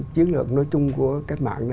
chiến lược nói chung của các mạng